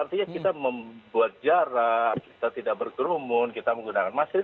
artinya kita membuat jarak kita tidak berkerumun kita menggunakan masker